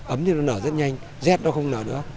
ấm thì nó nở rất nhanh rét nó không nở nữa